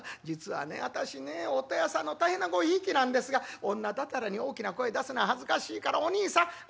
『実はね私ね音羽屋さんの大変なごひいきなんですが女だてらに大きな声出すのは恥ずかしいからおにいさん